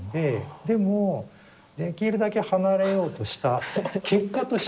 でもできるだけ離れようとした結果として。